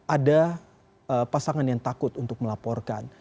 ada pasangan yang takut untuk melaporkan